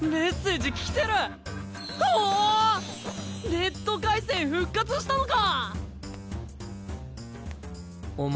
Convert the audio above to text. ネット回線復活したのか！